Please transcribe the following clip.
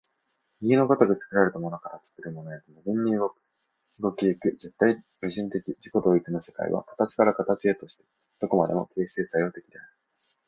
右の如く作られたものから作るものへと無限に動き行く絶対矛盾的自己同一の世界は、形から形へとして何処までも形成作用的である。